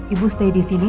ibu stay disini